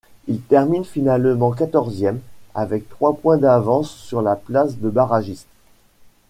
Il termine finalement quatorzième, avec trois points d'avance sur la place de barragiste.